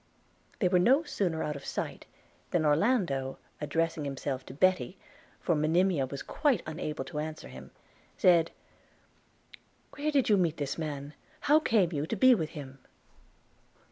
They were no sooner out of sight, than Orlando, addressing himself to Betty (for Monimia was quite unable to answer him), said: 'Where did you meet this man? and how came you to be with him?'